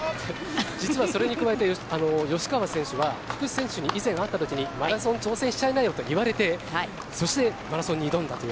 実はそれに加えて吉川選手は福士さんに以前会ったときにマラソン挑戦しちゃいなよと言われてそしてマラソンに挑んだという。